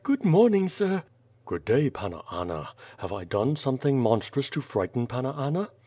Good morning, sir!" "Good day, Panna Anna! Have I done something mon strous to frighten Panna Anna?''